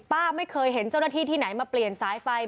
ป้าไม่เคยเห็นเจ้าหน้าที่ที่ไหนมาเปลี่ยนสายไฟ